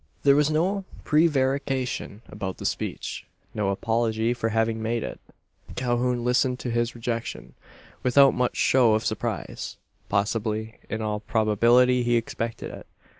There was no prevarication about the speech no apology for having made it. Calhoun listened to his rejection, without much show of surprise. Possibly in all probability he expected it.